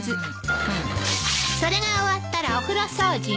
それが終わったらお風呂掃除ね。